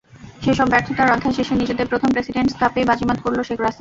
সেসব ব্যর্থতার অধ্যায় শেষে নিজেদের প্রথম প্রেসিডেন্টস কাপেই বাজিমাত করল শেখ রাসেল।